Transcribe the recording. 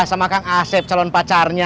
sama kang asep calon pacarnya